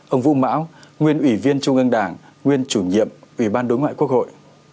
ông vũ mão nguyên ủy viên trung ương đảng nguyên chủ nhiệm ủy ban đối ngoại quốc hội